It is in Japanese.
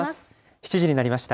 ７時になりました。